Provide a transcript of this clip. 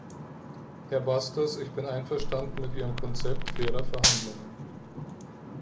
Herr Bastos, Ich bin einverstanden mit Ihrem Konzept fairer Verhandlungen.